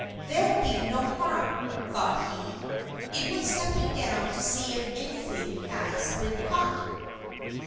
"There'll be no harm," thought he, "in my stepping down to see if anything has been caught."